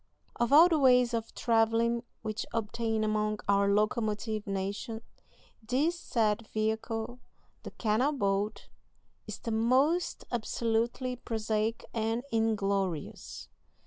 Of all the ways of travelling which obtain among our locomotive nation, this said vehicle, the canal boat, is the most absolutely prosaic and inglorious.